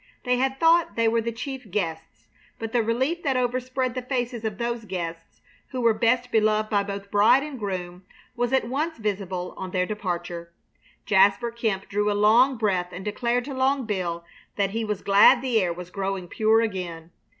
They had thought they were the chief guests, but the relief that overspread the faces of those guests who were best beloved by both bride and groom was at once visible on their departure. Jasper Kemp drew a long breath and declared to Long Bill that he was glad the air was growing pure again.